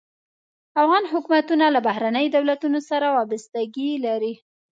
افغان حکومتونه له بهرنیو دولتونو سره وابستګي لري.